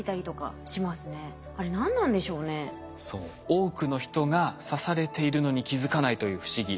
多くの人が刺されているのに気付かないという不思議。